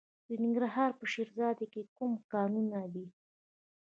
د ننګرهار په شیرزاد کې کوم کانونه دي؟